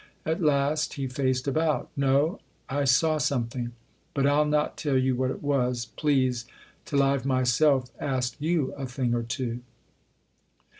At last he faced about. "No I saw something. But I'll not tell you what it was, please, till I've myself asked you a thing or two."